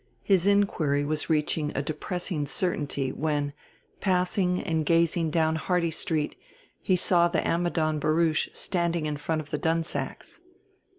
His inquiry was reaching a depressing certainty when, passing and gazing down Hardy Street, he saw the Ammidon barouche standing in front of the Dunsacks'.